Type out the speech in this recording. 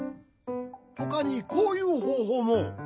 ほかにこういうほうほうも。